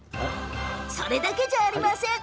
それだけじゃありません。